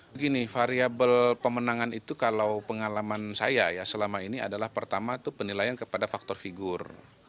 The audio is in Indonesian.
begini variable pemenangan itu kalau pengalaman saya ya selama ini adalah pertama itu penilaian kepada faktor figur